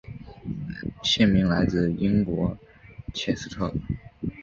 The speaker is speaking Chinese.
县名来自英国切斯特。